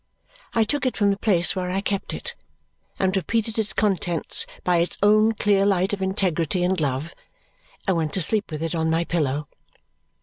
I took it from the place where I kept it, and repeated its contents by its own clear light of integrity and love, and went to sleep with it on my pillow.